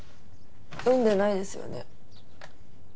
読んでないですよね？